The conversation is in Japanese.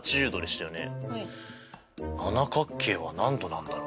七角形は何度なんだろう。